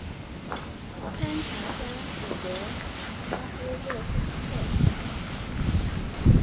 堪察加彼得巴夫洛夫斯克。